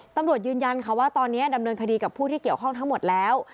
ตำรวจยืนยันค่ะว่าตอนนี้ดำเนินคดีกับผู้ที่เกี่ยวข้องทั้งหมดแล้ว